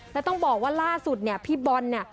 แล้วต้องบอกว่าล่าสุดเนี่ยพี่บอลเนี่ย